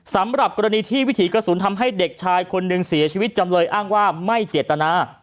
สำหรับกรณีที่วิถีกระสุนทำให้เด็กชายคนหนึ่งเสียชีวิตจำเลยอ้างว่าไม่เจตนา